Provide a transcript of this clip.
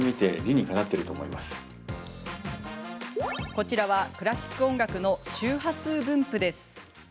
こちらは、クラシック音楽の周波数分布です。